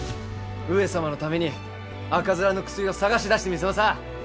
上様のために赤面の薬を探し出してみせまさぁ！